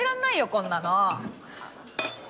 こんなの。